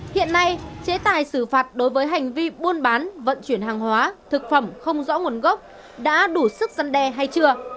hiện nay chế tài xử phạt đối với hành vi buôn bán vận chuyển hàng hóa thực phẩm không rõ nguồn gốc đã đủ sức dân đe hay chưa